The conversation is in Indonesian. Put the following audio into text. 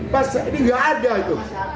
pas ini nggak ada tuh